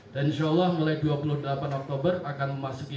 dan insya allah mulai dua puluh delapan oktober akan memasuki